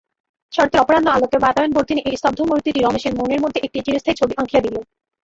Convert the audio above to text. শরতের অপরাহ্ন-আলোকে বাতায়নবর্তিনী এই স্তব্ধমূর্তিটি রমেশের মনের মধ্যে একটি চিরস্থায়ী ছবি আঁকিয়া দিল।